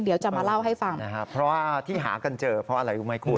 เดี๋ยวจะมาเล่าให้ฟังนะครับเพราะว่าที่หากันเจอเพราะอะไรรู้ไหมคุณ